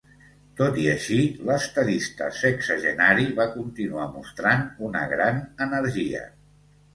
Tot i així, l'estadista sexagenari va continuar mostrant una gran energia.